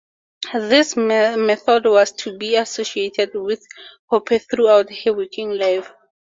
This method was to be associated with Hoppe throughout her working life.